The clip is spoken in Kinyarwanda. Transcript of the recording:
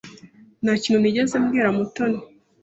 Nta kintu nigeze mbwira Mutoni.